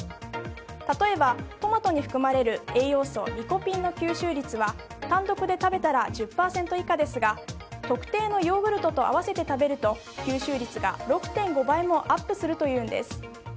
例えば、トマトに含まれる栄養素リコピンの吸収率は単独で食べたら１０％以下ですが特定のヨーグルトと合わせて食べると吸収率が６．５倍もアップするというんです。